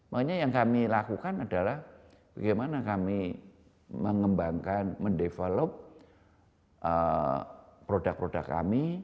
makanya yang kami lakukan adalah bagaimana kami mengembangkan mendevelop produk produk kami